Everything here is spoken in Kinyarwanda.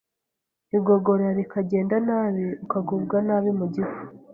igogora rikagenda nabi, ukagubwa nabi mu gifu.